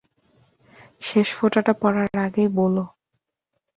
শেষ ফোটাটা পড়ার আগেই বলো।